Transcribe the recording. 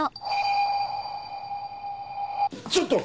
ちょっと！